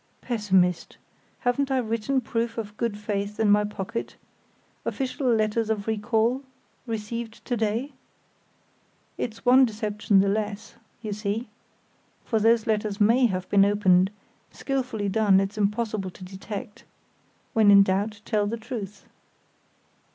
"Pessimist! Haven't I written proof of good faith in my pocket—official letters of recall, received to day? It's one deception the less, you see; for those letters may have been opened; skilfully done it's impossible to detect. When in doubt, tell the truth!"